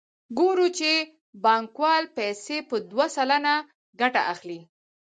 ګورو چې بانکوال پیسې په دوه سلنه ګټه اخلي